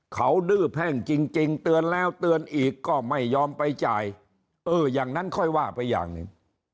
เขาดื้อแพ่งจริงเตือนแล้วเตือนอีกก็ไม่ยอมไปจ่ายเอออย่างนั้นค่อยว่าไปอย่างหนึ่ง